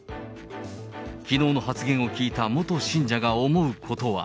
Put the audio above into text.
きのうの発言を聞いた元信者が思うことは。